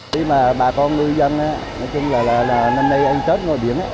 khi mà bà con ngư dân năm nay anh chết ngồi biển